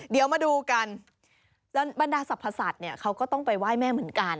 เดี๋ยวมาดูกันบรรดาสรรพสัตว์เนี่ยเขาก็ต้องไปไหว้แม่เหมือนกัน